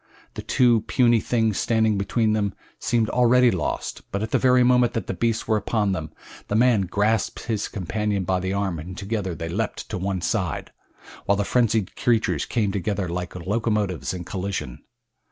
The two puny things standing between them seemed already lost, but at the very moment that the beasts were upon them the man grasped his companion by the arm and together they leaped to one side, while the frenzied creatures came together like locomotives in collision.